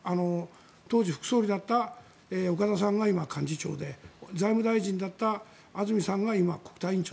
当時副総理だった岡田さんが今幹事長で財務大臣だった安住さんが今、国対委員長。